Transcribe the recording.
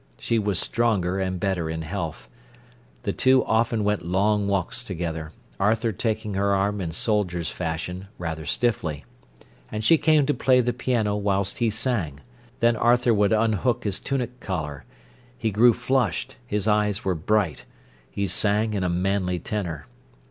She was stronger and better in health. The two often went long walks together, Arthur taking her arm in soldier's fashion, rather stiffly. And she came to play the piano whilst he sang. Then Arthur would unhook his tunic collar. He grew flushed, his eyes were bright, he sang in a manly tenor.